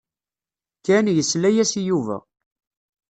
Ken yesla-as i Yuba.